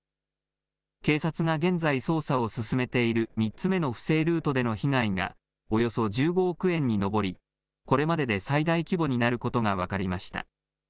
警察が現在、捜査を進めている３つ目の不正ルートでの被害がおよそ１５億円に上り、これまでで最大規模になることが分かりました。